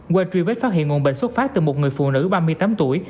qua truy vết phát hiện nguồn bệnh xuất phát từ một người phụ nữ ba mươi tám tuổi